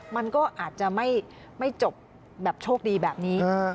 มันก็อาจจะไม่จบแบบโชคดีแบบนี้